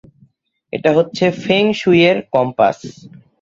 এটা হচ্ছে ফেং শুইয়ের কম্পাস!